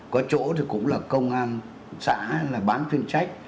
có chỗ thì cũng là công an xã là bán chuyên trách